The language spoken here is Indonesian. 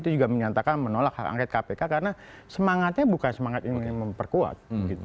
itu juga menyatakan menolak hak angket kpk karena semangatnya bukan semangat ingin memperkuat